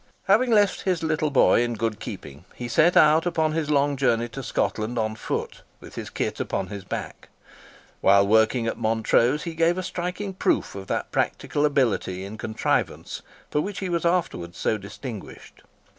Having left his little boy in good keeping, he set out upon his long journey to Scotland on foot, with his kit upon his back. While working at Montrose he gave a striking proof of that practical ability in contrivance for which he was afterwards so distinguished.